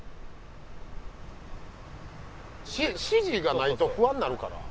指示がないと不安になるから。